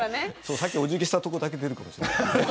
さっきお辞儀したところだけ出るかもしれないですね。